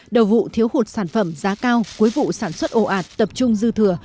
đầu vụ thiếu hụt sản phẩm giá cao cuối vụ sản xuất ồ ạt tập trung dư thừa